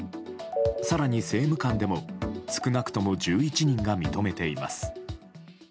更に政務官でも少なくとも１１人が認めています。